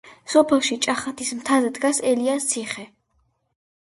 სოფელში, ჭახათის მთაზე დგას ელიას ციხე.